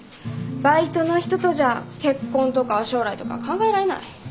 バイトの人とじゃ結婚とか将来とか考えられない。